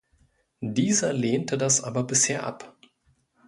Dieser lehnte das aber bisher ab.